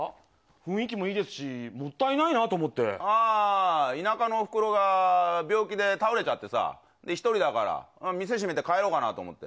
雰囲気もいいですし、もったいな田舎のおふくろが病気で倒れちゃってさ、１人だから、店閉めて帰ろうかなと思って。